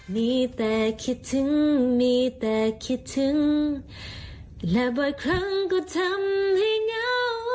มีแต่คิดถึงมีแต่คิดถึงและบ่อยครั้งก็ทำให้เหงา